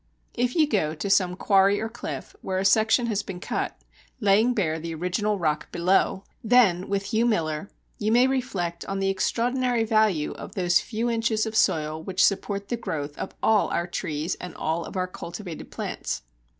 If you go to some quarry or cliff where a section has been cut, laying bare the original rock below; then (with Hugh Miller) you may reflect on the extraordinary value of those few inches of soil which support the growth of all our trees and of all our cultivated plants.